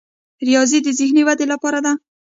ریاضي د ذهني ودې لپاره ده.